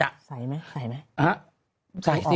ใสไหมใส่ไหม